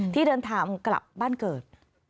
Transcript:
ที่เดินทางกลับบ้านเกิด